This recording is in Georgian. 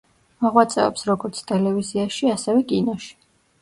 მოღვაწეობს როგორც ტელევიზიაში, ასევე კინოში.